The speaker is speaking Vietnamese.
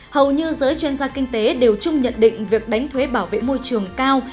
hầu như giới chuyên gia kinh tế đều chung nhận định việc đánh thuế bảo vệ môi trường cao